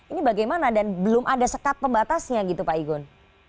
ini bagaimana dan belum ada sekat pembatasnya gitu pak igun